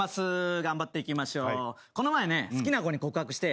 頑張っていきましょう。